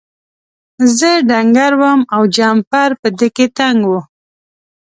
زه ډنګر وم او جمپر په ده کې تنګ و.